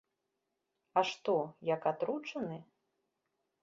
А што, як атручаны?